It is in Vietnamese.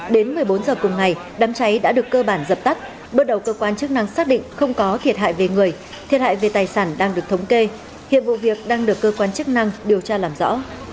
đến một mươi bốn h cùng ngày đám cháy đã được cơ bản dập tắt bước đầu cơ quan chức năng xác định không có thiệt hại về người thiệt hại về tài sản đang được thống kê hiện vụ việc đang được cơ quan chức năng điều tra làm rõ